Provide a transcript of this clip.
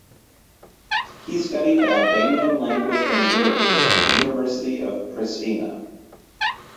He studied Albanian language and literature at the University of Pristina.